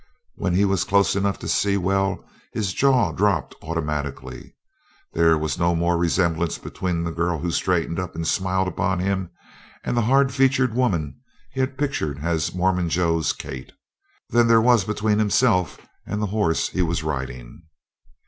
When he was close enough to see well his jaw dropped automatically. There was no more resemblance between the girl who straightened up and smiled upon him and the hard featured woman he had pictured as "Mormon Joe's Kate," than there was between himself and the horse he was riding.